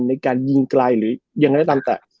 ในการยิงไกลหรือยังไงก็ตามแต่